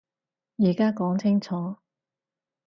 而家講清楚